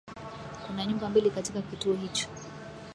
Kuna nyumba mbili katika kituo hicho